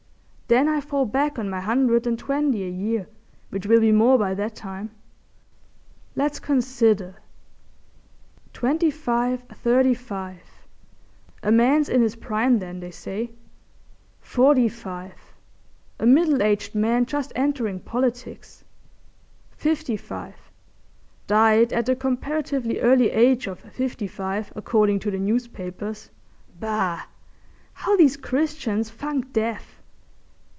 Then I fall back on my hundred and twenty a year, which will be more by that time. Let's consider. Twenty five—thirty five—a man's in his prime then, they say—forty five—a middle aged man just entering politics—fifty five—"died at the comparatively early age of fifty five," according to the newspapers. Bah! How these Christians funk death!